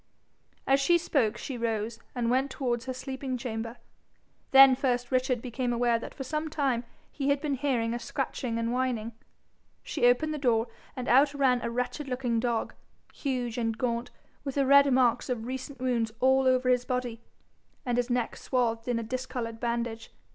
As she spoke she rose, and went towards her sleeping chamber. Then first Richard became aware that for some time he had been hearing a scratching and whining. She opened the door, and out ran a wretched looking dog, huge and gaunt, with the red marks of recent wounds all over his body, and his neck swathed in a discoloured bandage.